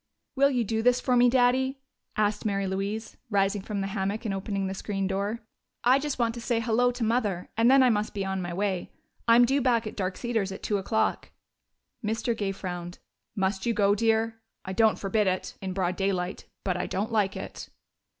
"Will you do this for me, Daddy?" asked Mary Louise, rising from the hammock and opening the screen door. "I just want to say 'hello' to Mother, and then I must be on my way. I'm due back at Dark Cedars at two o'clock." Mr. Gay frowned. "Must you go, dear? I don't forbid it, in broad daylight, but I don't like it."